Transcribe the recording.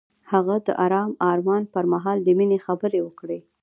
هغه د آرام آرمان پر مهال د مینې خبرې وکړې.